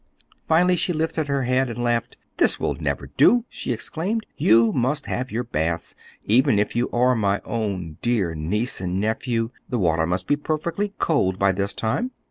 Finally she lifted her head and laughed. "This will never do!" she exclaimed. "You must have your baths, even if you are my own dear niece and nephew. The water must be perfectly cold by this time!"